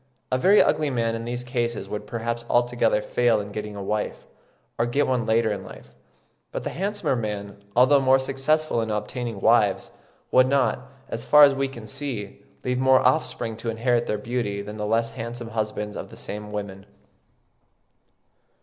A very ugly man in these cases would perhaps altogether fail in getting a wife, or get one later in life; but the handsomer men, although more successful in obtaining wives, would not, as far as we can see, leave more offspring to inherit their beauty than the less handsome husbands of the same women.